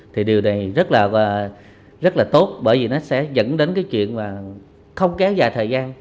thì điều này rất là và rất là tốt bởi vì nó sẽ dẫn đến cái chuyện mà không kéo dài thời gian